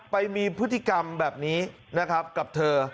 ไปมีพฤติกรรมแบบนี้นะครับกับเธอ